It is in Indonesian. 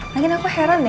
makin aku heran deh